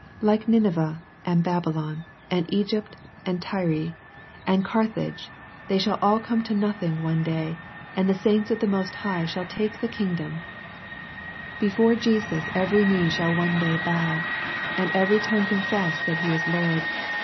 Like Nineveh^ and Babylon, and Egypt, and Tyre, and LUKE, CHAP. C. 25 Carthage^ they shall all come to nothing one day, and the saints of the most high shall take the kingdom^ Before Jesus every knee shall one day bow, and every tongue confess that He is Lord.